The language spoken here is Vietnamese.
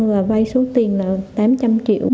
và vay số tiền là tám trăm linh triệu